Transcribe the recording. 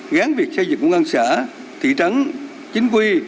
gán việc xây dựng công an xã thị trấn chính quy